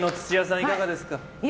いかがですか。